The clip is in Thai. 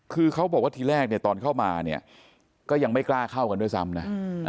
คือเขาบอกว่าทีแรกเนี่ยตอนเข้ามาเนี่ยก็ยังไม่กล้าเข้ากันด้วยซ้ำนะ